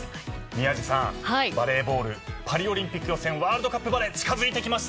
宮司さんバレーボールパリオリンピック予選ワールドカップバレー近づいてきましたね。